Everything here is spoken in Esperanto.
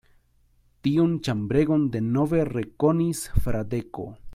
Tiun ĉambregon denove rekonis Fradeko.